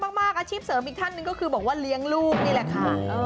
อาชีพเสริมอีกท่านหนึ่งก็คือบอกว่าเลี้ยงลูกนี่แหละค่ะ